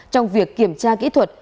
trong việc kiểm tra kỹ thuật